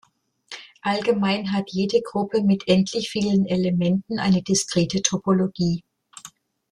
Allgemein hat jede Gruppe mit endlich vielen Elementen eine diskrete Topologie.